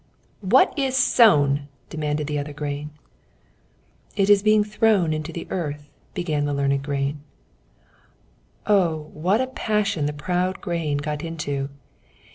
"What is sown?" demanded the other grain. "It is being thrown into the earth," began the learned grain. Oh, what a passion the proud grain got into!